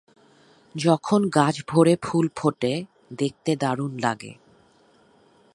যখন গাছ ভরে ফুল ফোটে, দেখতে দারুণ লাগে।